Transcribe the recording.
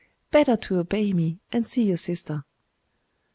Better to obey me, and see your sister.